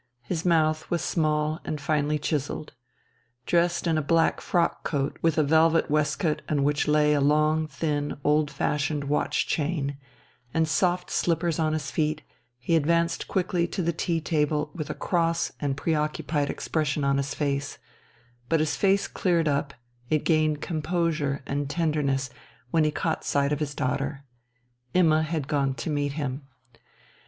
His mouth was small and finely chiselled. Dressed in a black frock coat with a velvet waistcoat on which lay a long, thin, old fashioned watch chain, and soft slippers on his feet, he advanced quickly to the tea table with a cross and pre occupied expression on his face; but his face cleared up, it regained composure and tenderness when he caught sight of his daughter. Imma had gone to meet him.